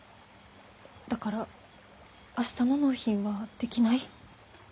だから明日の納品はできない。